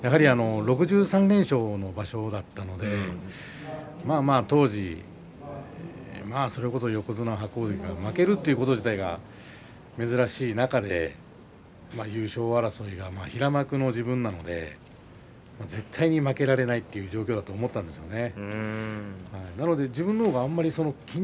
６３連勝の場所だったので当時それこそ横綱白鵬関が負けるということが珍しい中で優勝争いは平幕の自分なので絶対に負けられないという状況だと思ったんですよね